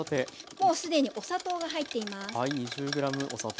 もうすでにお砂糖が入っています。